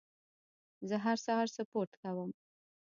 زه هر سهار سپورت کوم.